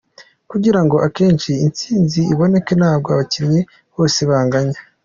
Kugira ngo akenshi intsinzi iboneke ntabwo abakinnyi bose banganya.